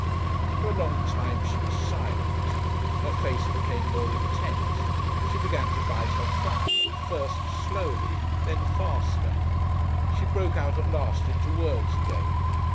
For a long time she was silent. Her face became more intent. She began to bite her thumb, at first slowly, then faster. She broke out at last into words again.